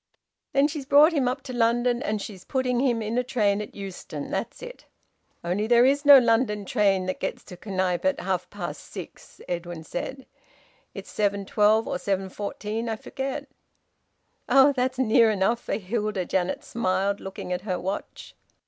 "Then she's brought him up to London, and she's putting him in a train at Euston. That's it." "Only there is no London train that gets to Knype at half past six," Edwin said. "It's 7:12, or 7:14 I forget." "Oh! That's near enough for Hilda," Janet smiled, looking at her watch.